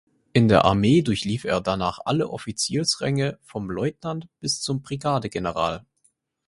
In der Armee durchlief er danach alle Offiziersränge vom Leutnant bis zum Brigadegeneral.